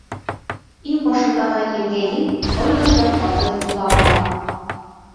Иңбашындағы иргәйел был мәлдә ҡаты йоҡола була.